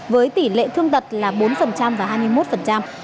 với tỷ lệ thương tật là bốn và hai mươi một